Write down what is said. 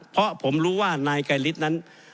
เพราะผมรู้ว่านายไกรฤทธิ์นั้น